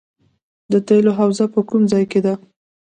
د تیلو حوزه په کوم ځای کې ده؟